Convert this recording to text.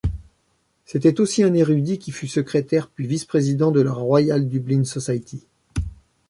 C'était aussi un érudit, qui fut secrétaire puis vice-président de la Royal Dublin Society.